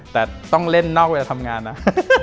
แต่ต้องเล่นนอกเวลาทำงานนะ